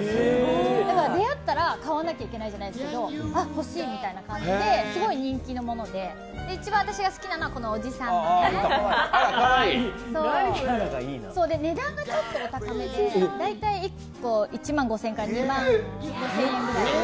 だから出会ったら買わなきゃいけないじゃないですけどあっ、欲しいみたいな感じですごい人気で、一番私が好きなのが、このおじさん値段がちょっとお高めで大体１個１万５０００円から２万５０００円ぐらい。